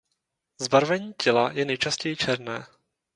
Zbarvení těla je nejčastěji černé.